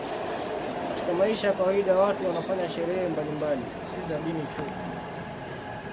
Katika maisha ya kawaida watu wanafanya sherehe mbalimbali, si za dini tu.